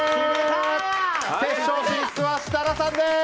決勝進出は設楽さんです！